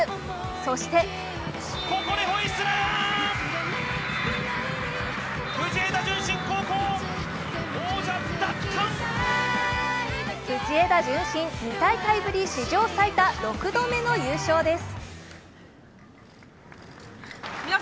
そして藤枝順心、２大会ぶり史上最多６度目の優勝です。